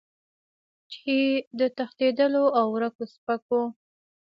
چې د تښتېدلو او ورکو سپکو